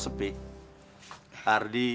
saya harus keluar